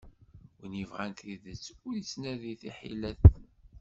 Win ibɣan tidet, ur ittnadi tiḥilet.